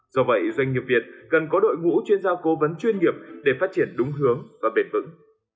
do vậy doanh nghiệp việt cần có đội ngũ chuyên gia cố vấn chuyên nghiệp để phát triển đúng hướng và bền vững